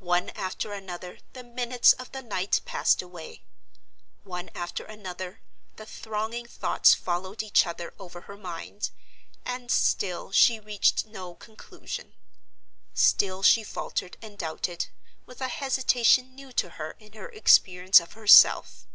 One after another the minutes of the night passed away; one after another the thronging thoughts followed each other over her mind—and still she reached no conclusion; still she faltered and doubted, with a hesitation new to her in her experience of herself.